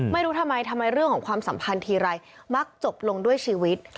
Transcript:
ไม่รู้ทำไมทำไมเรื่องของความสัมพันธ์ทีไรมักจบลงด้วยชีวิต